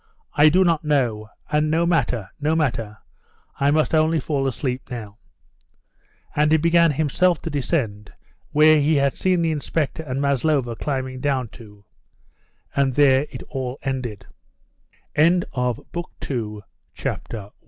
I do not know, and no matter, no matter, I must only fall asleep now." And he began himself to descend where he had seen the inspector and Maslova climbing down to, and there it all